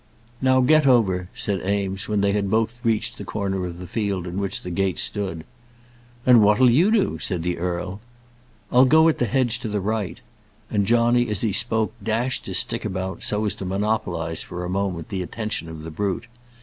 "Now get over," said Eames, when they had both reached the corner of the field in which the gate stood. "And what'll you do?" said the earl. "I'll go at the hedge to the right." And Johnny as he spoke dashed his stick about, so as to monopolize, for a moment, the attention of the brute.